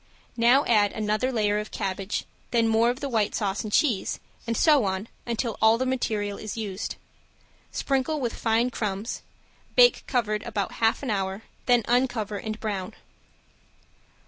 Now add another layer of cabbage, then more of the white sauce and cheese, and so on until all the material is used. Sprinkle with fine crumbs, bake covered about half an hour, then uncover and brown.